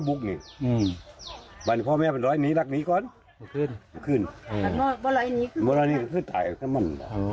ฟู้คาโดมไปไหมประจำ